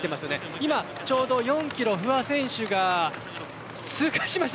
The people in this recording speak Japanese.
今ちょうど４キロ不破選手が通過しました。